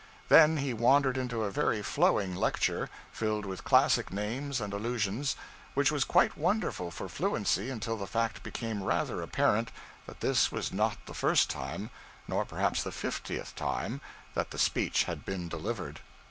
Then he wandered into a very flowing lecture, filled with classic names and allusions, which was quite wonderful for fluency until the fact became rather apparent that this was not the first time, nor perhaps the fiftieth, that the speech had been delivered.